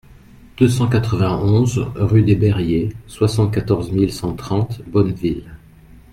deux cent quatre-vingt-onze rue des Bairiers, soixante-quatorze mille cent trente Bonneville